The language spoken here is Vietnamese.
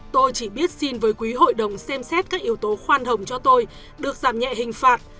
tôi chỉ biết xin với quý hội đồng xem xét các yếu tố khoan hồng cho tôi được giảm nhẹ hình phạt